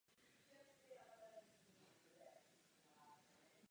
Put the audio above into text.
Jeho model byl zamítnut a posléze na dlouho zapomenut.